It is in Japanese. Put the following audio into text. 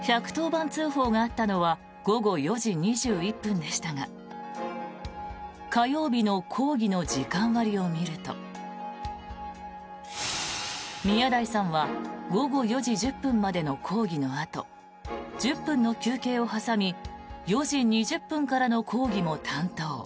１１０番通報があったのは午後４時２１分でしたが火曜日の講義の時間割を見ると宮台さんは午後４時１０分までの講義のあと１０分の休憩を挟み４時２０分からの講義も担当。